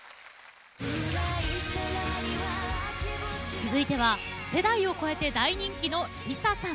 続いては、世代を超えて大人気のＬｉＳＡさん。